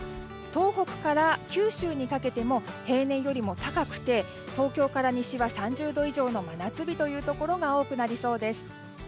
東北から九州にかけても平年よりも高くて東京から西は３０度以上の真夏日というところが多くなりそうです。